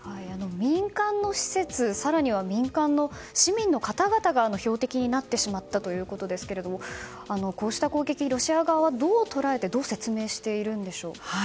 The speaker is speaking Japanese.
民間の施設更には民間の市民の方々が標的になってしまったということですけれどもこうした攻撃ロシア側はどう捉えてどう説明しているんでしょうか。